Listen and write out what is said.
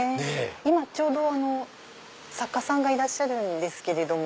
今ちょうど作家さんがいらっしゃるんですけれども。